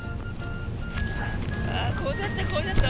あっこうだったこうだった。